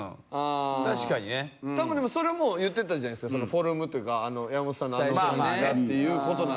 確かにね。それも言ってたじゃないですかフォルムというか山本さんのあの雰囲気がっていう事なんでしょうけどね。